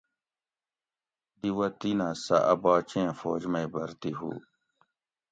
دی وطینہ سہ ا باچیں فوج مئی بھرتی ہُو